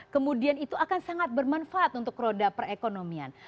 kemudian itu akan sangat bermanfaat untuk roda perekonomian